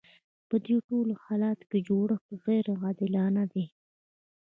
په دې ټولو حالاتو کې جوړښت غیر عادلانه دی.